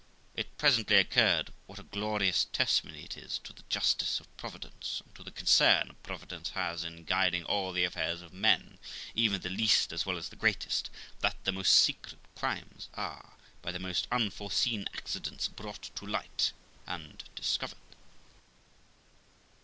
It presently occurred, what a glorious testimony it is to the justice of Providence, and to the concern Providence has in guiding all the affairs of men (even the least as well as the greatest), that the most secret crimes are, by the most unforeseen accidents, brought to light and discovered.